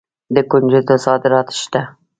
د کنجدو صادرات شته.